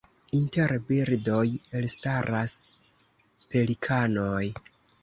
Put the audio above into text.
Inter birdoj elstaras pelikanoj.